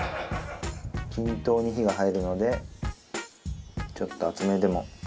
均等に火が入るのでちょっと厚めでも安心ですよ